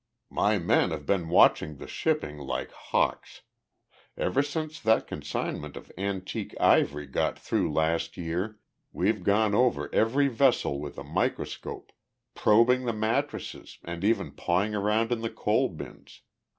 My men have been watching the shipping like hawks. Ever since that consignment of antique ivory got through last year we've gone over every vessel with a microscope, probing the mattresses and even pawing around in the coal bins.